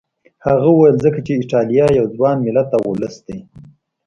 هغه وویل ځکه چې ایټالیا یو ځوان ملت او ولس دی.